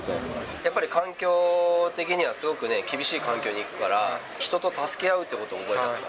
やっぱり環境的にはすごくね、厳しい環境に行くから、人と助け合うということを覚えたかな。